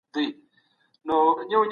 حقوقپوهان ولي د انسان حقونو ته درناوی کوي؟